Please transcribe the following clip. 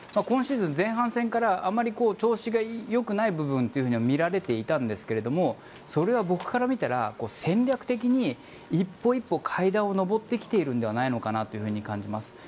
今シーズン、前半戦からあまり調子が良くない部分が見られていたんですがそれは僕から見たら戦略的に一歩一歩、階段を上ってきているんじゃないかと感じます。